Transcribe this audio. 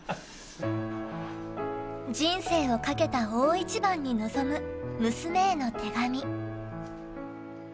人生をかけた大一番に臨む娘への手紙。